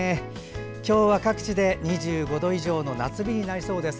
今日は各地で２５度以上の夏日になりそうです。